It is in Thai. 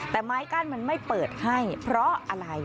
แต่ไม้กั้นมันไม่เปิดให้เพราะอะไร